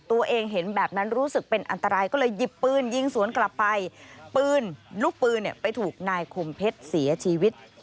ตัวเองเห็นแบบนั้นรู้สึกเป็นอันตรายก็เลยหยิบปืนยิงสวนกลับไปปืนลูกปืนไปถูกนายคมเพชรเสียชีวิต